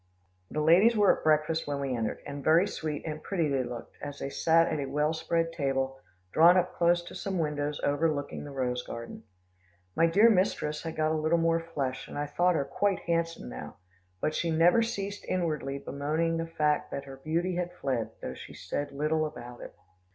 The ladies were at breakfast when we entered, and very sweet and pretty they looked, as they sat at a well spread table, drawn up close to some windows overlooking the rose garden. My dear mistress had got a little more flesh, and I thought her quite handsome now, but she never ceased inwardly bemoaning the fact that her beauty had fled, though she said little about it.